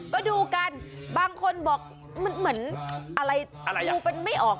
ก็ดูกันบางคนบอกมันเหมือนอะไรดูเป็นไม่ออก